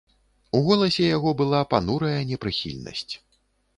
У голасе яго была панурая непрыхільнасць.